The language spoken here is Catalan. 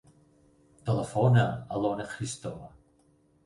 Telefona a l'Ona Hristova.